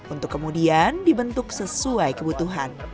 untuk kemudian dibentuk sesuai kebutuhan